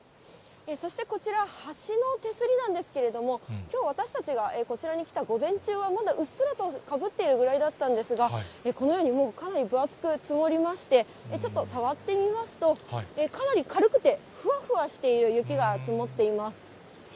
そしてこちら、橋の手すりなんですけれども、きょう私たちがこちらに来た午前中はまだ、うっすらとかぶっているくらいだったんですが、このようにもう、かなり分厚く積もりまして、ちょっと触ってみますと、かなり軽くて、ふわふわしている雪が積もっています。